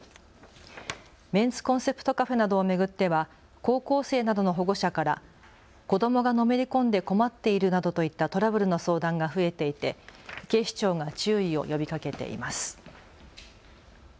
メンズコンセプトカフェなどを巡っては高校生などの保護者から子どもがのめり込んで困っているなどといったトラブルの相談が増えていて警視庁が注意を呼びかけています。